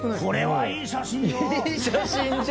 これはいい写真よ！